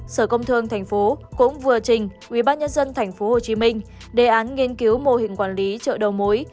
sở công thương tp cũng vừa trình ubnd tp hcm đề án nghiên cứu mô hình quản lý chợ đầu mối